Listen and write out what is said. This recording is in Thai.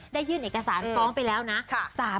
ยื่นเอกสารฟ้องไปแล้วนะ